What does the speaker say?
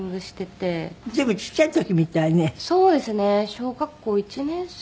小学校１年生とか。